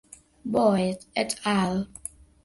Boyd "et al.